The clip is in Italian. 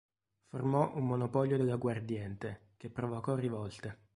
Formò un monopolio dell'aguardiente, che provocò rivolte.